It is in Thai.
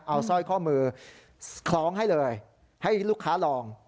เอาสร้อยข้อมือคล้องให้เลยให้ลูกค้าลอง